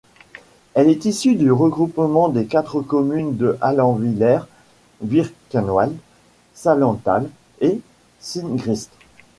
Elle est issue du regroupement des quatre communes de Allenwiller, Birkenwald, Salenthal et Singrist.